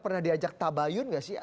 pernah diajak tabayun gak sih